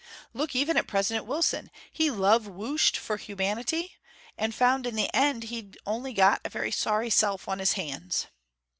Look even at President Wilson: he love whooshed for humanity, and found in the end he'd only got a very sorry self on his hands.